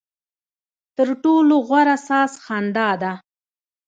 ترټولو غوره ساز خندا ده.